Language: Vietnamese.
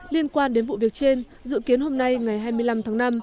liên quan đến vụ việc trên dự kiến hôm nay ngày hai mươi năm tháng năm